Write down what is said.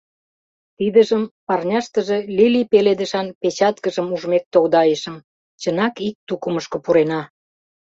Тидыжым парняштыже лилий пеледышан печаткыжым ужмек тогдайышым — чынак ик тукымышко пурена.